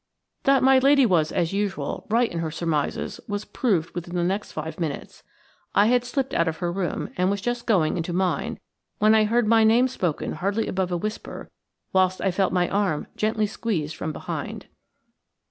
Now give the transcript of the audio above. That my lady was, as usual, right in her surmises was proved within the next five minutes. I had slipped out of her room, and was just going into mine, when I heard my name spoken hardly above a whisper, whilst I felt my arm gently seized from behind.